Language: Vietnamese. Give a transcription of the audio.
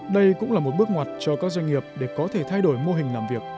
đây cũng là một bước ngoặt cho các doanh nghiệp để có thể thay đổi mô hình làm việc